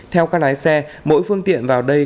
theo các lái xe mỗi phương tiện vào đây